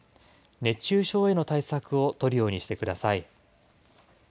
熱中症への対策を取るようにしてください。